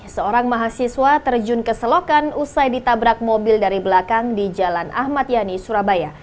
seorang mahasiswa terjun ke selokan usai ditabrak mobil dari belakang di jalan ahmad yani surabaya